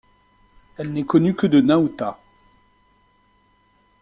Elle n'est connue que de Nauta.